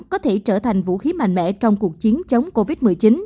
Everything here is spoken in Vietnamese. có thể trở thành vũ khí mạnh mẽ trong cuộc chiến chống covid một mươi chín